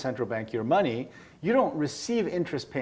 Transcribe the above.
anda tidak mendapatkan uang dari mereka